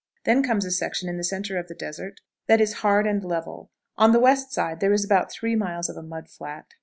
Then comes a section in the centre of the desert that is hard and level. On the west side there is about three miles of a mud flat.